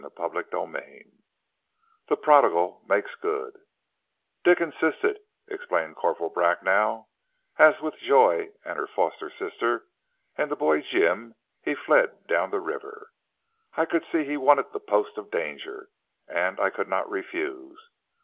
CHAPTER XXIV THE PRODIGAL MAKES GOOD "DICK INSISTED," explained Corporal Bracknell, as with Joy and her foster sister and the boy Jim he fled down the river. "I could see he wanted the post of danger and I could not refuse.